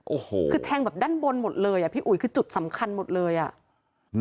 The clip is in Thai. โอ้โหคือแทงแบบด้านบนหมดเลยอ่ะพี่อุ๋ยคือจุดสำคัญหมดเลยอ่ะอืม